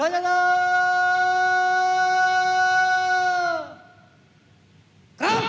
yang mereka ajar oleh pengawal